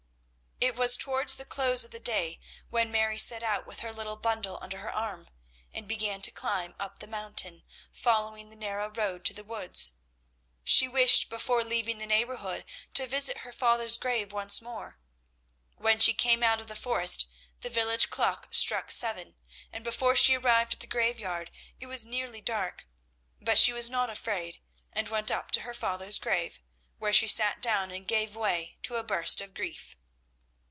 It was towards the close of the day when Mary set out with her little bundle under her arm, and began to climb up the mountain, following the narrow road to the woods. She wished before leaving the neighbourhood to visit her father's grave once more. When she came out of the forest the village clock struck seven, and before she arrived at the graveyard it was nearly dark; but she was not afraid, and went up to her father's grave, where she sat down and gave way to a burst of grief.